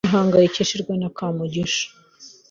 Nahangayikishijwe na Kamugisha.